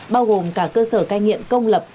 bao gồm cả cơ sở cai nghiện công lập